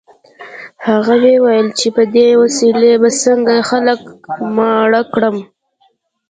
هغه ویې ویل چې په دې وسیلې به څنګه خلک ماړه کړم